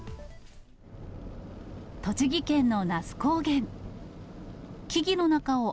栃木県の那須高原。